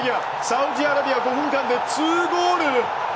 サウジアラビア５分間で２ゴール。